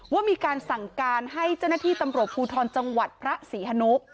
ว่ามีการสั่งการให้เจ้าหน้าที่ตำรวจภูทรจังหวัดพระศรีฮนุ